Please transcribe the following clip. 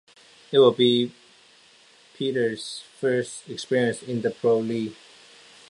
It will be Peeters' first experience in the Pro League.